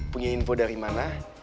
punya info dari mana